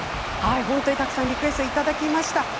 たくさんリクエストをいただきました。